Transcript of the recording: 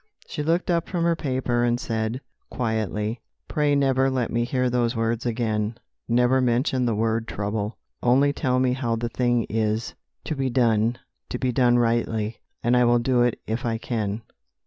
She looked up from her paper and said quietly, 'Pray never let me hear those words again; never mention the word "trouble." Only tell me how the thing is to be done, to be done rightly, and I will do it if I can.